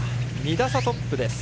２打差トップです。